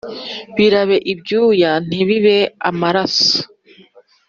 Birabe ibyuya ntibibe amaraso.